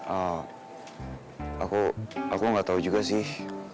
oh aku aku gak tau juga sih